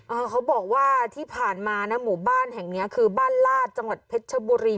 เขาบอกว่าที่ผ่านมานะหมู่บ้านแห่งเนี้ยคือบ้านลาดจังหวัดเพชรชบุรี